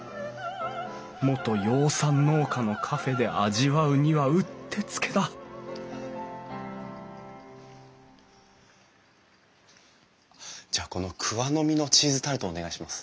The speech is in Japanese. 元養蚕農家のカフェで味わうにはうってつけだじゃあこの桑の実のチーズタルトをお願いします。